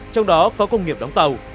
trong đó có công nghiệp đóng tàu